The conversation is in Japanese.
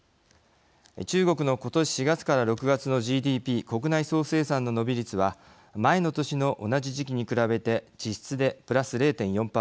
中国のことし４月から６月のＧＤＰ＝国内総生産の伸び率は前の年の同じ時期に比べて実質でプラス０．４％。